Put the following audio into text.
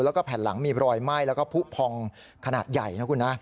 แล้วก็แผ่นหลังมีรอยไหม้แล้วก็ผู้พองขนาดใหญ่นะคุณนะ